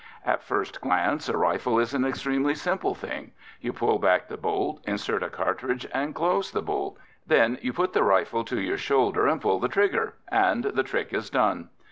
At first glance, a rifle is an extremely simple thing. You pull back the bolt, insert a cartridge, and close the bolt. Then you put the rifle to your shoulder and pull the trigger and the trick is done.